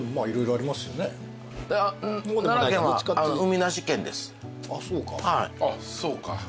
あっそうか。